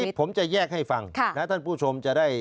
สินี้ผมจะแยกให้ฟังนะท่านผู้ชม